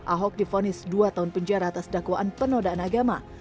ahok difonis dua tahun penjara atas dakwaan penodaan agama